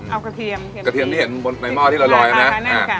เอากระเทียมกระเทียมนี่เห็นบนในหม้อที่เราลอยแล้วนะค่ะนั่นค่ะ